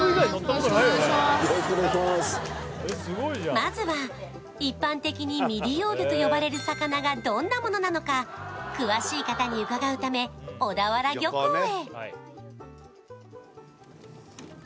まずは一般的に未利用魚と呼ばれる魚がどんなものなのか、詳しい方に伺うため、小田原漁港へ。